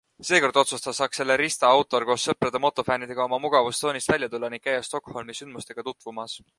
Seekord otsustas Accelerista autor koos sõprade-motofännidega oma mugavustsoonist välja tulla ning käia Stockholmi sündmusega tutvumas.